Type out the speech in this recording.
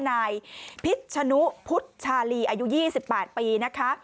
นายพิษชนุพุทธชาลีอายุ๒๘ปีนะคะ